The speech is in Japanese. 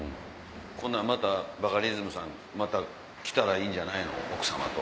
こんなんバカリズムさんまた来たらいいんじゃない奥さまと。